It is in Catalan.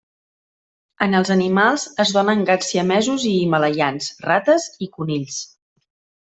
En els animals, es dóna en gats siamesos i himalaians, rates i conills.